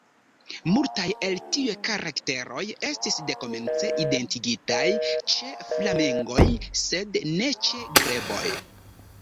Multaj el tiuj karakteroj estis dekomence identigitaj ĉe flamengoj, sed ne ĉe greboj.